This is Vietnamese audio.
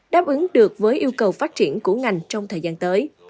đáp ứng được với yêu cầu phát triển của ngành trong thời gian tới